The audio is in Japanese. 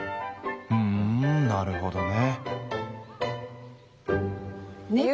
ふんなるほどね。